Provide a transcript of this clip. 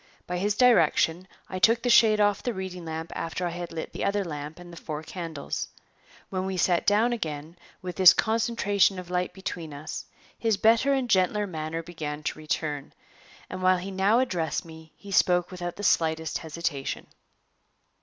By his direction, I took the shade off the reading lamp after I had lit the other lamp and the four candles. When we sat down again, with this concentration of light between us, his better and gentler manner began to return, and while he now addressed me he spoke without the slightest hesitation.